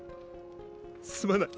すまない！